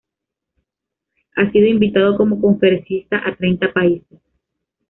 Ha sido invitado como conferencista a treinta países.